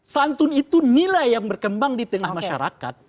santun itu nilai yang berkembang di tengah masyarakat